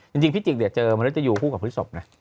จริงพิจิกเจอวัลสุดอยูกว่าพฤศพนะ